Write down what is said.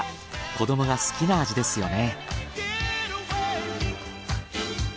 子どもが好きな味ですよね。